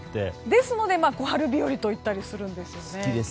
ですので小春日和と言ったりするんです。